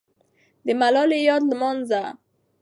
د ملالۍ یاد لمانځه.